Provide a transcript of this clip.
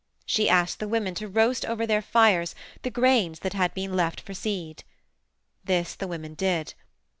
She asked the women to roast over their fires the grains that had been left for seed. This the women did.